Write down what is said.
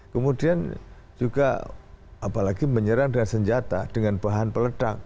kemudian juga apalagi menyerang dengan senjata dengan bahan peledak